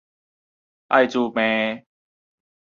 愛滋病